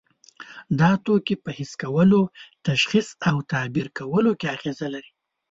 دا توکي په حس کولو، تشخیص او تعبیر کولو کې اغیزه لري.